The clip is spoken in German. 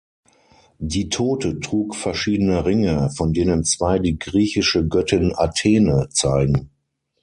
Die Tote trug verschiedene Ringe, von denen zwei die griechische Göttin Athene zeigen.